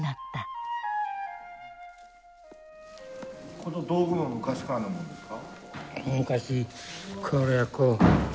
この道具も昔からのものですか？